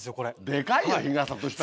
でかいよ日傘としたら。